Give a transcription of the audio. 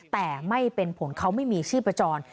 แต่ไม่เป็นผลเขาไม่มีชีพจร